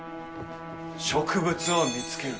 植物を見つける。